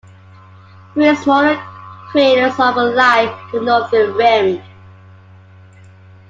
Three smaller craters overlie the northern rim.